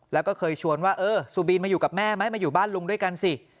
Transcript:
แล้วก็เคยชวนว่าเออซูบีมาอยู่กับแม่ไหมมาอยู่บ้านลุงด้วยกันสิ